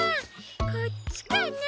こっちかな？